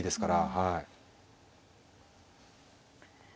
はい。